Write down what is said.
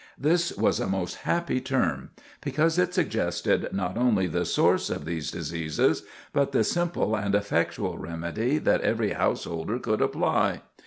This was a most happy term, because it suggested not only the source of these diseases, but the simple and effectual remedy that every householder could apply.